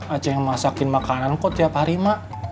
ada yang masakin makanan kok tiap hari mak